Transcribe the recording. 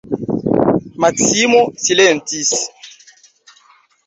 Maksimo silentis.